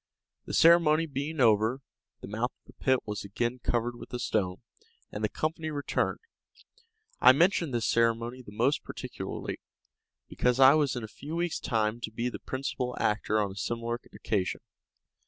The ceremony being over, the mouth of the pit was again covered with the stone, and the company returned. I mention this ceremony the more particularly, because I was in a few weeks' time to be the principal actor on a similar occasion.